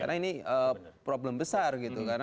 karena ini problem besar gitu